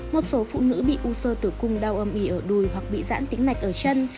một số phụ nữ bị u sơ tử cung đau âm y ở đuôi hoặc bị dãn tĩnh mạch ở chân